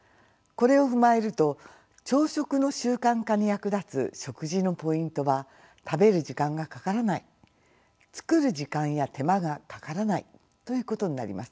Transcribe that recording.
これを踏まえると朝食の習慣化に役立つ食事のポイントは食べる時間がかからない作る時間や手間がかからないということになります。